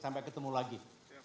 sampai ketemu lagi